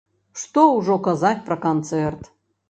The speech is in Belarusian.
Што ўжо казаць пра канцэрт!